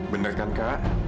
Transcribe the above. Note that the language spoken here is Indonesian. benar kan kak